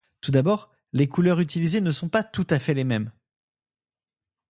Tout d'abord, les couleurs utilisées ne sont pas tout à fait les mêmes.